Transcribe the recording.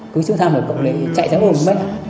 cứ xuống thăm rồi cậu lại chạy ra hôm mấy